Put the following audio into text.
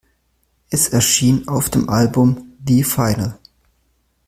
Es erschien auf dem Album "The Final".